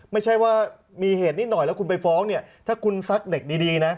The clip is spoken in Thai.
ไม่ใช่ว่ามีเหตุนิดหน่อยแล้วคุณไปฟ้องเนี่ยถ้าคุณซักเด็กดีนะ